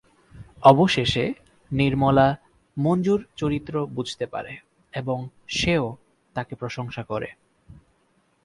অবশেষে নির্মলা মঞ্জুর চরিত্র বুঝতে পারে এবং সেও তাকে প্রশংসা করে।